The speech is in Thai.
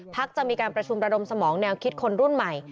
จะมีการประชุมระดมสมองแนวคิดคนรุ่นใหม่